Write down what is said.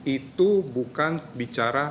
itu bukan bicara